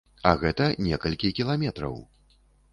А гэта некалькі кіламетраў.